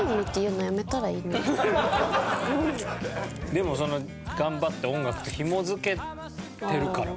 でも頑張って音楽とひも付けてるから。